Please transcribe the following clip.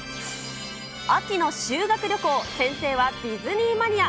秋のシュー学旅行、先生はディズニーマニア！